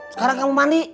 sekarang kamu mandi